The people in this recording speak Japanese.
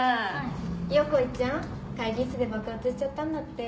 横井ちゃん会議室で爆発しちゃったんだって？